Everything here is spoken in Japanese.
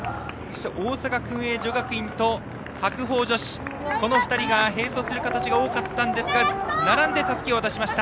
大阪薫英女学院と白鵬女子の２人が並走する形が多かったんですが並んでたすきを渡しました。